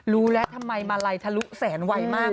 รู้แล้วทำไมมาลัยทะลุแสนไวมาก